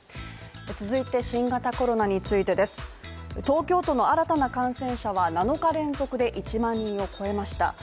続いて新型コロナについてです東京都の新たな感染者は７日連続で１万人を超えました。